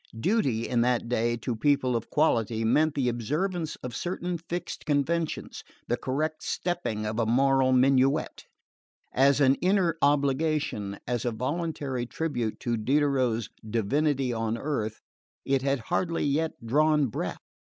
Duty, in that day, to people of quality, meant the observance of certain fixed conventions: the correct stepping of a moral minuet; as an inner obligation, as a voluntary tribute to Diderot's "divinity on earth," it had hardly yet drawn breath.